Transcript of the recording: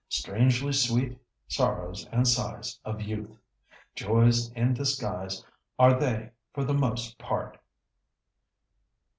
Strangely sweet sorrows and sighs of youth! joys in disguise are they for the most part.